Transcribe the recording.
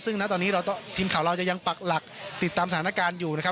ซึ่งณตอนนี้ทีมข่าวเราจะยังปักหลักติดตามสถานการณ์อยู่นะครับ